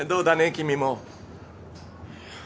君も。